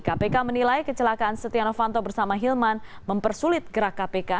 kpk menilai kecelakaan setia novanto bersama hilman mempersulit gerak kpk